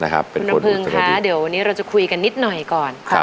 คุณลำพึงคะเดี๋ยววันนี้เราจะคุยกันนิดหน่อยก่อน